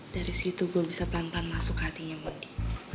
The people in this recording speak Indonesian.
dari situ gue bisa pelan pelan masuk hatinya pedih